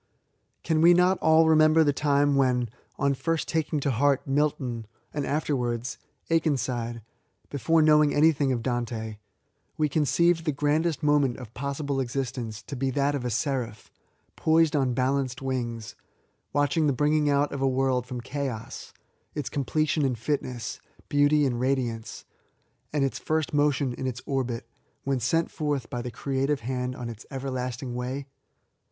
Can we not all remember the time when, ou first taking to heart Milton, and afterwards Aken side, — (before knowing anything of Dante,) we conceived the grandest moment of possible exist ence to be that of a Seraph, poised on balanced wings, watching the bringing out of a world from chaos, its completion in fitness, beauty and ra diance, and its first motion in its orbit, when sent forth by the creative hand on its everlasting way